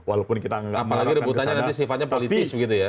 apalagi rebutannya nanti sifatnya politis begitu ya